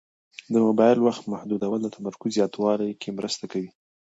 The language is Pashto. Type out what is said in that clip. د موبایل وخت محدودول د تمرکز زیاتولو کې مرسته کوي.